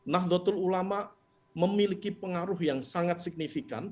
nahdlatul ulama memiliki pengaruh yang sangat signifikan